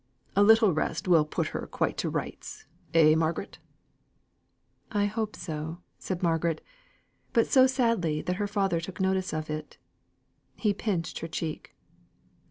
A little rest will put her quite to rights eh, Margaret?" "I hope so," said Margaret, but so sadly, that her father took notice of it. He pinched her cheek.